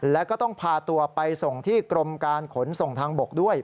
แล้วก็ต้องพาตัวไปส่งที่กรมการขนส่งทางบกด้วย